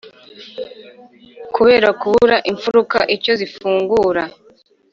kubera kubura imfuruka icyo zifungura